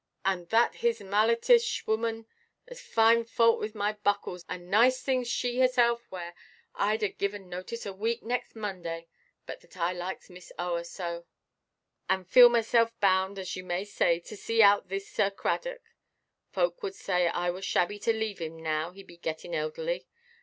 And that Hismallitish woman, as find fault with my buckles, and nice things she herself wear—Iʼd a given notice a week next Monday, but that I likes Miss Oa so, and feel myself bound, as you may say, to see out this Sir Cradock; folk would say I were shabby to leave him now he be gettin' elderly.